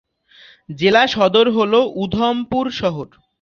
জেলা সদর হল উধমপুর শহর।